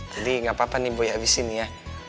jadi gapapa nih boy abisin ya